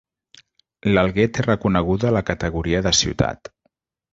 L'Alguer té reconeguda la categoria de ciutat.